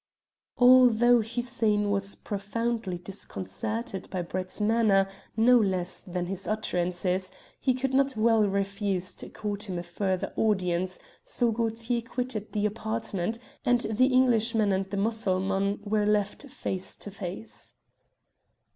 Although Hussein was profoundly disconcerted by Brett's manner no less than his utterances, he could not well refuse to accord him a further audience, so Gaultier quitted the apartment and the Englishman and the Mussulman were left face to face.